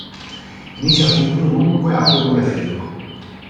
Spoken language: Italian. Inizia subito, dunque, a produrre film.